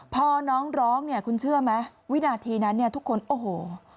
พอน้องร้องเนี่ยคุณเชื่อไหมวินาทีนั้นเนี่ยทุกคนโอ้โห